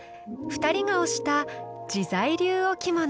２人が推した「自在龍置物」。